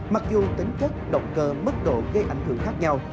mặc dù tính chất động cơ mức độ gây ảnh hưởng khác nhau